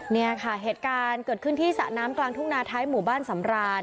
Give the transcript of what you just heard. เนี่ยค่ะเหตุการณ์เกิดขึ้นที่สระน้ำกลางทุ่งนาท้ายหมู่บ้านสำราน